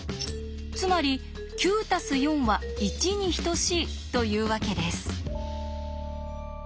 つまり９＋４＝１に等しいというわけです。